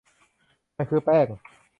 มันคือแป้ง